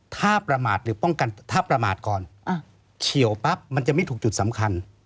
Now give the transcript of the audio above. ถ้าประมาทหรือป้องกันถ้าประมาทก่อนเฉียวปั๊บมันจะไม่ถูกจุดสำคัญ